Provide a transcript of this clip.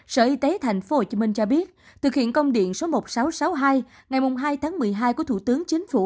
sở y tế tp hcm cho biết thực hiện công điện số một nghìn sáu trăm sáu mươi hai ngày hai tháng một mươi hai của thủ tướng chính phủ